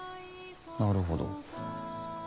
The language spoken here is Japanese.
なるほど。